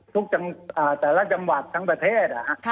แต่ละจังหวัดทั้งประเทศ